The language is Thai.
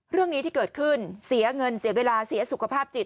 เรื่องนี้ที่เกิดขึ้นเสียเงินเสียเวลาเสียสุขภาพจิต